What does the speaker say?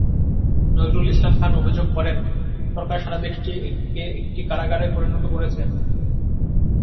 নজরুল ইসলাম খান অভিযোগ করেন, সরকার সারা দেশকে একটি কারাগারে পরিণত করেছে।